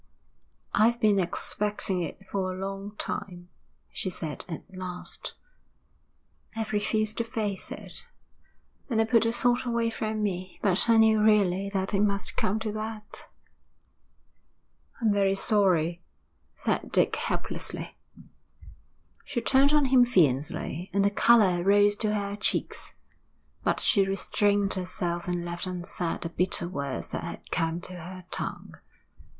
'I've been expecting it for a long time,' she said at last. 'I've refused to face it, and I put the thought away from me, but I knew really that it must come to that.' 'I'm very sorry,' said Dick helplessly. She turned on him fiercely, and the colour rose to her cheeks. But she restrained herself and left unsaid the bitter words that had come to her tongue.